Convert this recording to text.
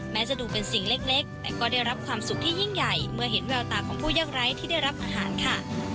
จะดูเป็นสิ่งเล็กแต่ก็ได้รับความสุขที่ยิ่งใหญ่เมื่อเห็นแววตาของผู้ยากไร้ที่ได้รับอาหารค่ะ